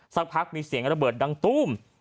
สักพักมีเสียงระเบิดดังตุ้ม